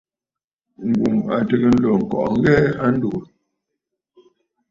Ngum a tɨgə̀ ǹlo ŋkɔꞌɔ ŋghɛɛ a ndúgú.